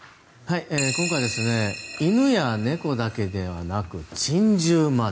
今回、犬や猫だけではなく珍獣まで。